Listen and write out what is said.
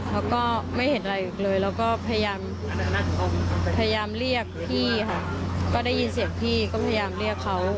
แล้วก็ไม่เห็นอะไรอีกเลยแล้วก็พยายามเรียกพี่ค่ะก็ได้ยินเสียงพี่ก็พยายามเรียกเขา